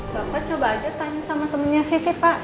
bapak coba aja tanya sama temennya siti pak